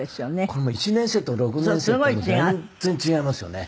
この１年生と６年生って全然違いますよね。